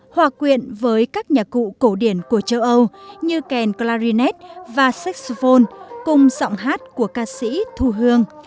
hòa quyện với các nhạc cụ cổ điển của châu âu như kèn clarinet và saxovol cùng giọng hát của ca sĩ thu hương